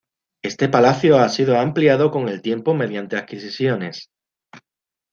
Este palacio ha sido ampliado con el tiempo mediante adquisiciones.